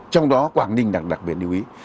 trong đó quảng ninh đặc biệt điều ý